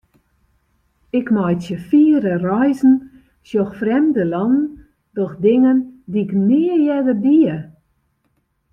Ik meitsje fiere reizen, sjoch frjemde lannen, doch dingen dy'k nea earder die.